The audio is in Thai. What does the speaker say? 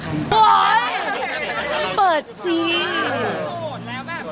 เฮ้ยเปิดซีน